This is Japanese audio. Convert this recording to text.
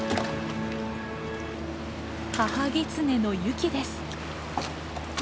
母ギツネのユキです。